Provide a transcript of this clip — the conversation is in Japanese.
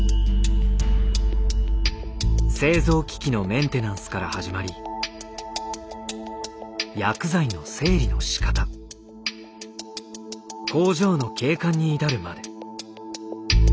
製造機器のメンテナンスから始まり薬剤の整理のしかた工場の景観に至るまで。